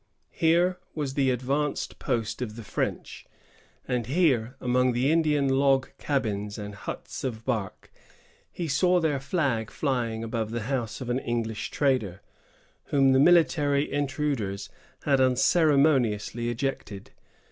Here was the advanced post of the French; and here, among the Indian log cabins and huts of bark, he saw their flag flying above the house of an English trader, whom the military intruders had unceremoniously ejected.